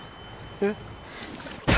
えっ。